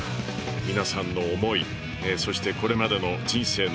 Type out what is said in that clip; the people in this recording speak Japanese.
皆さんの思いそしてこれまでの人生の歩み